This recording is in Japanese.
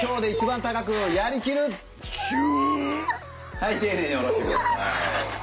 はい丁寧に下ろしてください。